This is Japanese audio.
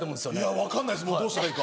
分かんないどうしたらいいか。